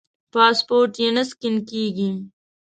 پاسپورټ یې نه سکېن کېږي.